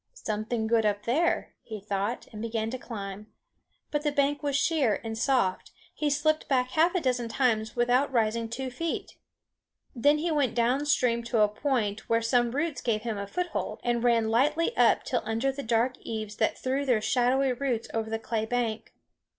"Something good up there," he thought, and began to climb. But the bank was sheer and soft; he slipped back half a dozen times without rising two feet. Then he went down stream to a point where some roots gave him a foothold, and ran lightly up till under the dark eaves that threw their shadowy roots over the clay bank.